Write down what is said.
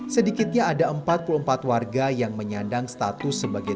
sedikitnya ada empat puluh empat warga yang menyandang status sebagai